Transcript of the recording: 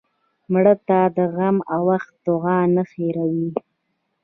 مړه ته د غم وخت دعا نه هېروې